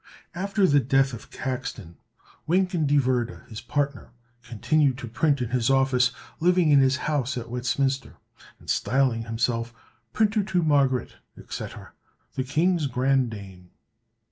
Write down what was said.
After the death of Caxton, Wynken de Worde, his partner, continued to print in his office, living in his house at Westminster, and styling himself "Printer to Margaret, etc., the King's Grandame."